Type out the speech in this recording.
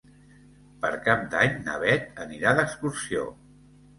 Per Cap d'Any na Beth anirà d'excursió.